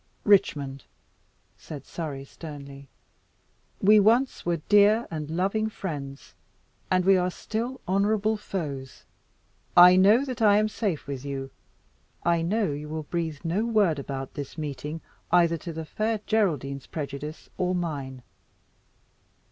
"Richmond," said Surrey sternly, "we once were dear and loving friends, and we are still honourable foes. I know that I am safe with you. I know you will breathe no word about this meeting, either to the Fair Geraldine's prejudice or mine.